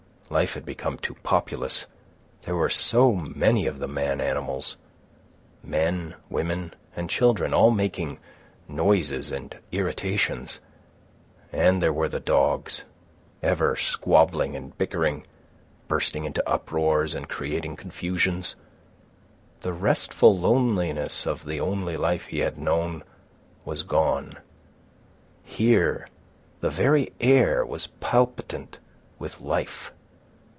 Life had become too populous. There were so many of the man animals, men, women, and children, all making noises and irritations. And there were the dogs, ever squabbling and bickering, bursting into uproars and creating confusions. The restful loneliness of the only life he had known was gone. Here the very air was palpitant with life.